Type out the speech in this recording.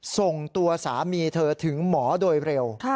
ส่งตัวสามีเธอถึงหมอโดยเร็ว